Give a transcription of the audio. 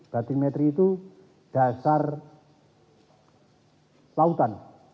batimetri itu dasar lautan